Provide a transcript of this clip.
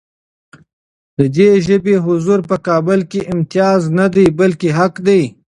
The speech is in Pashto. د دې ژبې حضور په کابل کې امتیاز نه دی، بلکې حق دی.